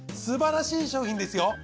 すばらしい商品ですよ。